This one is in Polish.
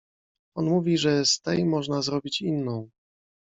On mówi, że z tej można zrobić inną.